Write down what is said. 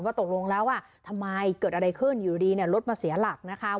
ตกลงแล้วทำไมเกิดอะไรขึ้นอยู่ดีเนี่ยรถมาเสียหลักนะคะ